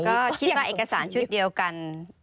ก็คิดว่าเอกสารชุดเดียวกัน